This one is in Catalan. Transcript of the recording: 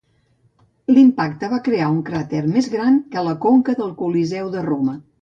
L'impacte va crear un cràter més gran que la conca del Coliseu de Roma.